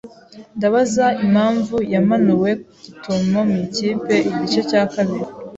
Ndabaza impamvu yamanuwe gitumo mu ikipe igice cya kabiri?